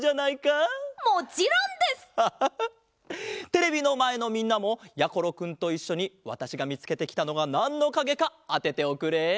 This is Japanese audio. テレビのまえのみんなもやころくんといっしょにわたしがみつけてきたのはなんのかげかあてておくれ。